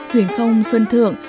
huyền không sân thượng